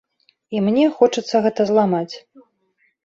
І мне хочацца гэта зламаць.